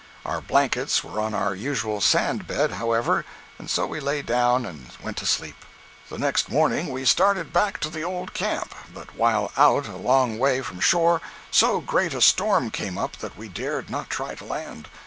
Our blankets were on our usual sand bed, however, and so we lay down and went to sleep. The next morning we started back to the old camp, but while out a long way from shore, so great a storm came up that we dared not try to land.